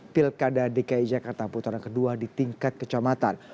pilkada dki jakarta putaran kedua di tingkat kecamatan